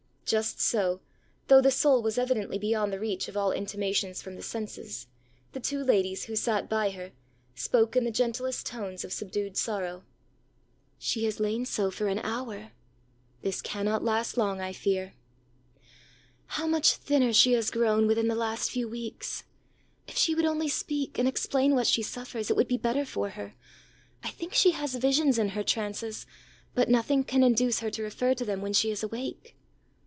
Just so, though the soul was evidently beyond the reach of all intimations from the senses, the two ladies, who sat beside her, spoke in the gentlest tones of subdued sorrow. ãShe has lain so for an hour.ã ãThis cannot last long, I fear.ã ãHow much thinner she has grown within the last few weeks! If she would only speak, and explain what she suffers, it would be better for her. I think she has visions in her trances, but nothing can induce her to refer to them when she is awake.